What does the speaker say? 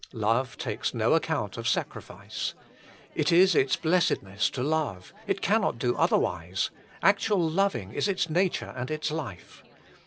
Love takes no account of sacrifice : it is its blessedness to love : it cannot do otherwise ; actual loving is its nature and its life.